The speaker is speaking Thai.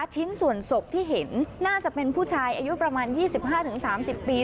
ชิ้นส่วนศพที่เห็นน่าจะเป็นผู้ชายอายุประมาณยี่สิบห้าถึงสามสิบปี